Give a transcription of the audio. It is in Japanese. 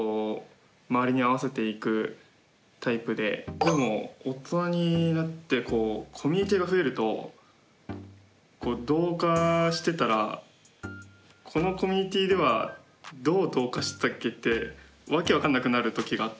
でも大人になってコミュニティーが増えると同化してたらこのコミュニティーではどう同化してたっけ？って訳分かんなくなる時があって。